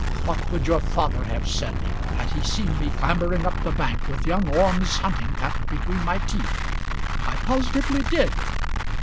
What would your father have said had he seen me clambering up the bank with young Orme's hunting cap between my teeth? I positively did."